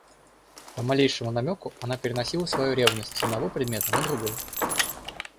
По малейшему намеку она переносила свою ревность с одного предмета на другой.